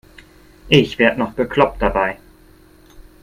Ich werde noch bekloppt dabei.